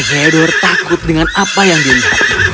theodore takut dengan apa yang dilihatnya